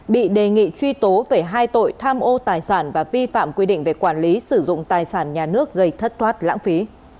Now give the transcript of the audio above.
bị đề nghị truy tố về hai tội tham ô tài sản và vi phạm quy định về quản lý sử dụng tài sản nhà nước gây thất thoát lãng phí